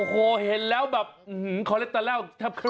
โอ้โหเห็นแล้วแบบก็เล่นต่อแล้ว